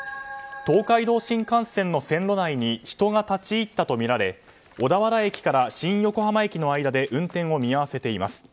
東海道新幹線の線路内に人が立ち入ったとみられ小田原駅から新横浜駅の間で運転を見合わせています。